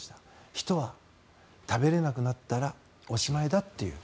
人は、食べれなくなったらおしまいだという。